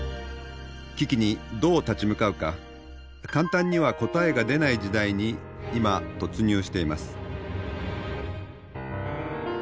危機にどう立ち向かうか簡単には答えが出ない時代に今突入しています。